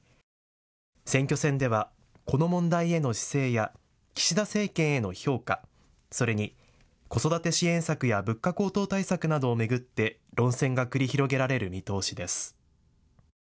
選挙戦ではこの問題への姿勢や岸田政権への評価、それに子育て支援策や物価高騰対策などを巡って論戦が繰り広げられる見通しです。